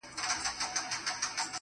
د سكون څادر مې راښكلو ويده شوم